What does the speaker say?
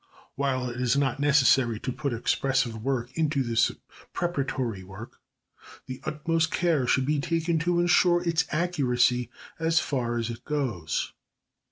While it is not necessary to put expressive work into this preparatory work, the utmost care should be taken to ensure its accuracy as far as it goes.